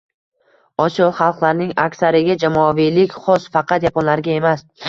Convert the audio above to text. «Osiyo xalqlarining aksariga jamoaviylik xos, faqat yaponlarga emas